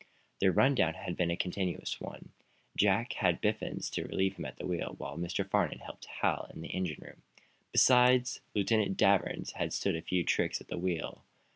Their run down had been a continuous one. Jack had had Biffens to relieve him at the wheel, while Mr. Farnum had helped Hal in the engine room. Besides, Besides, Lieutenant Danvers had stood a few tricks at the wheel.